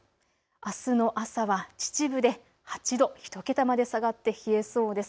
あすの朝は秩父で８度、１桁まで下がって冷えそうです。